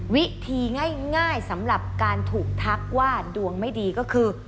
วิธีง่ายสำหรับการถูกทักว่าดวงไม่ดีก็คือ